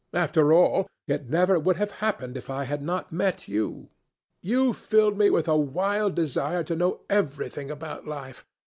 After all, it never would have happened if I had not met you. You filled me with a wild desire to know everything about life.